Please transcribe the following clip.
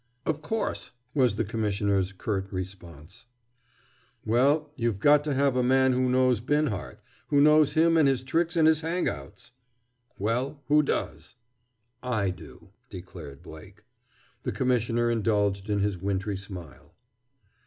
"Of course," was the Commissioner's curt response. "Well, you've got to have a man who knows Binhart, who knows him and his tricks and his hang outs!" "Well, who does?" "I do," declared Blake. The Commissioner indulged in his wintry smile.